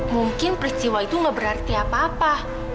mungkin peristiwa itu gak berarti apa apa